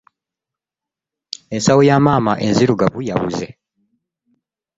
Ensawo ya maama enzirugavu yabuze.